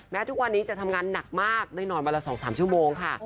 ทุกวันนี้จะทำงานหนักมากได้นอนวันละ๒๓ชั่วโมงค่ะ